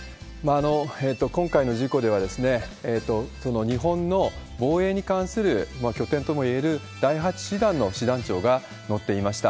今回の事故では、日本の防衛に関する拠点ともいえる第８師団の師団長が乗っていました。